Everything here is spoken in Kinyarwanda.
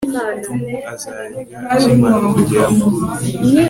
tom azarya akimara kugera murugo